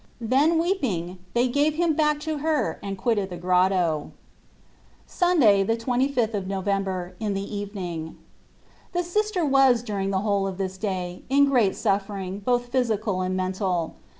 Then, weeping, they gave Him back to her and quitted the grotto. Sunday, the 25th of November, in the evening. The Sister was during the whole of this day in great suffering, both physical and mental.